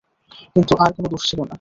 কিন্তু, আর কোনো দোষ ছিল না।